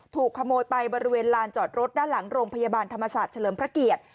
ถูกขโมยไปบริเวณลานจอดรถด้านหลังโรงพยาบาลธรรมศาสตร์เฉลิมพระเกียรติ